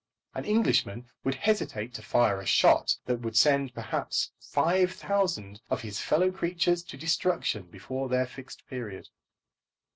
An Englishman would hesitate to fire a shot that would send perhaps five thousand of his fellow creatures to destruction before their Fixed Period.